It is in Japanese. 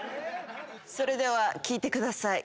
それでは聴いてください。